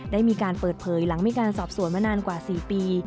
ได้มีการเปิดเผยหลังมีการสอบสวนมานานกว่า๔ปี